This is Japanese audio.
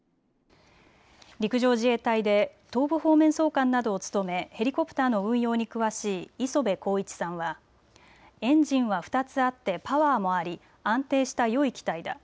陸上自衛隊で東部方面総監などを務めヘリコプターの運用に詳しい磯部晃一さんはエンジンは２つあってパワーもあり安定したよい機体だ。